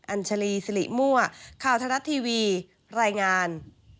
อัญชลีสิริมั่วข่าวทรัฐทีวีรายงาน